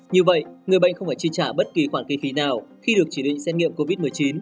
như vậy người bệnh không phải chi trả bất kỳ khoản kinh phí nào khi được chỉ định xét nghiệm covid một mươi chín